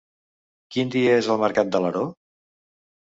Quin dia és el mercat d'Alaró?